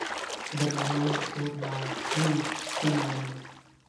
زردالو د کور باغونو ښکلې ونه ده.